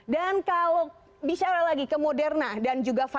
dan kalau bicara lagi ke moderna dan juga pfizer